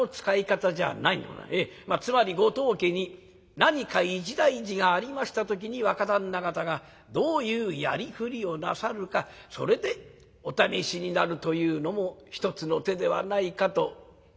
つまりご当家に何か一大事がありました時に若旦那方がどういうやりくりをなさるかそれでお試しになるというのも一つの手ではないかと」。